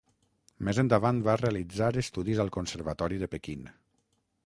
Més endavant va realitzar estudis al conservatori de Pequín.